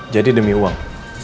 jadi demi uang